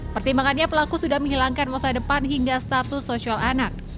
pertimbangannya pelaku sudah menghilangkan masa depan hingga status sosial anak